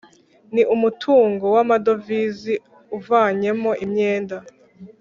ni umutungo w amadovize uvanyemo imyenda